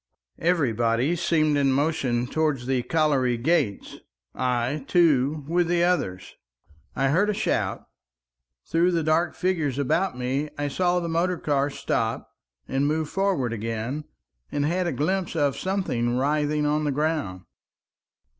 Everybody seemed in motion towards the colliery gates, I, too, with the others. I heard a shout. Through the dark figures about me I saw the motor car stop and move forward again, and had a glimpse of something writhing on the ground.